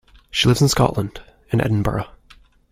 She lives in Scotland, in Edinburgh